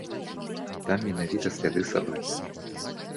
Там менавіта сляды сабакі.